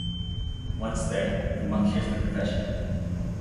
Once there, the monk hears the confession.